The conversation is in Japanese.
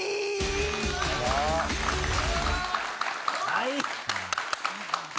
はい！